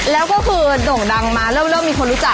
แล้วก็คือโด่งดังมาเริ่มมีคนรู้จัก